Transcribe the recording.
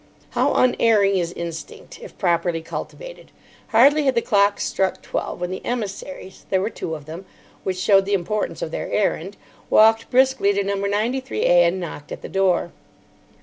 How unerring is instinct, if properly cultivated. Hardly had the clocks struck twelve when the emissaries—there were two of them, which showed the importance of their errand—walked briskly to No. 93A, and knocked at the door.